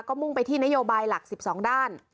ก็มุ่งไปที่นโยบายหลัก๑๒ด้าน